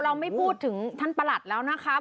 เราไม่พูดถึงท่านประหลัดแล้วนะครับ